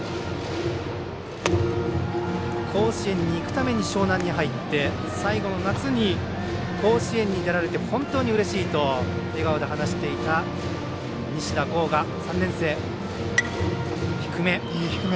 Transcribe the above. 甲子園に行くために樟南に入って最後の夏に甲子園に出られて本当にうれしいと笑顔で話していた西田恒河３年生。